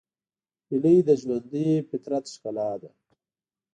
هیلۍ د ژوندي فطرت ښکلا ده